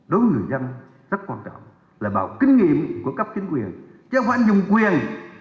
đối với người dân rất quan trọng là bảo kinh nghiệm của cấp chính quyền chứ không phải anh dùng quyền